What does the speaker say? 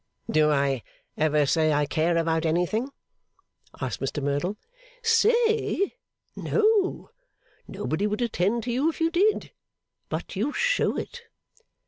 'Do I ever say I care about anything?' asked Mr Merdle. 'Say? No! Nobody would attend to you if you did. But you show it.